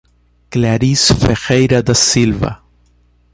Clarice Ferreira da Silva